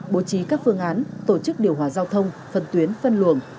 bố trí các phương án tổ chức điều hòa giao thông phân tuyến phân luồng